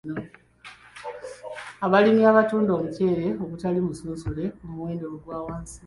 Abalimi batunda omuceere ogutali musunsule ku muwendo ogwa wansi.